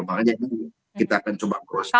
makanya ini kita akan coba cross